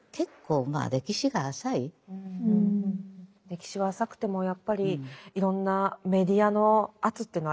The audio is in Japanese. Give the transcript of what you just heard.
歴史は浅くてもやっぱりいろんなメディアの圧っていうのはありますもんね。